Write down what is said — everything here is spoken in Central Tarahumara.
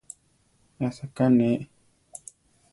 Asaká neʼé.